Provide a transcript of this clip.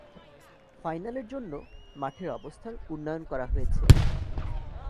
ফাইনালের জন্য মাঠের অবস্থার উন্নয়ন করা হয়েছে।